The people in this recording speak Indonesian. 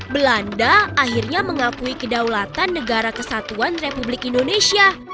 belanda akhirnya mengakui kedaulatan negara kesatuan republik indonesia